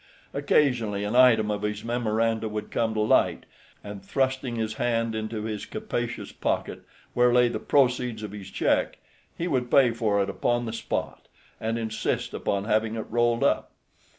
Occasionally an item of his memoranda would come to light, and thrusting his hand into his capacious pocket, where lay the proceeds of his check, he would pay for it upon the spot, and insist upon having it rolled up.